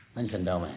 お前。